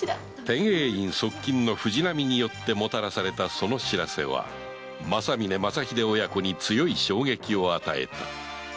天英院側近の藤波によってもたらされたその報せは正峯・正秀親子に強い衝撃を与えた